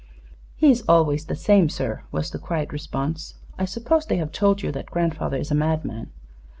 "He is always the same, sir," was the quiet response. "I suppose they have told you that grandfather is a madman?